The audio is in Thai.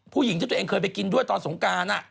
ผู้หญิงที่ตัวเองเคยไปกินด้วยตอนสงการ